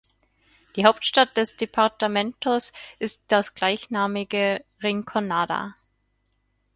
Die Hauptstadt des Departamentos ist das gleichnamige Rinconada.